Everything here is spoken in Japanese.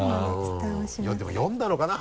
でも読んだのかな？